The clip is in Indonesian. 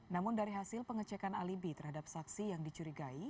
namun dari hasil pengecekan alibi terhadap saksi yang dicurigai